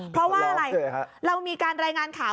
เพราะว่าอะไรเรามีการรายงานข่าว